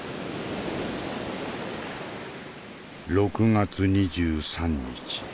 ６月２３日。